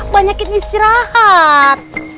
banyak yang istirahat